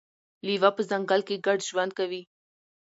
لیوه په ځنګل کې ګډ ژوند کوي.